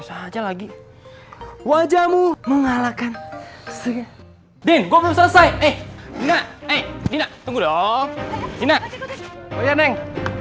saja lagi wajahmu mengalahkan segini gue belum selesai eh enak enak tunggu dong